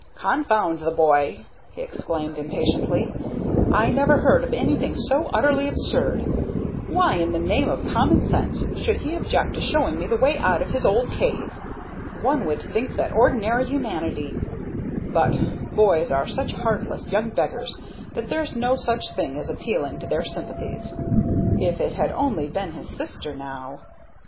"Confound the boy!" he exclaimed, impatiently. "I never heard of anything so utterly absurd. Why, in the name of common sense, should he object to showing me the way out of his old cave? One would think that ordinary humanity But boys are such heartless young beggars that there's no such thing as appealing to their sympathies. If it had only been his sister now!"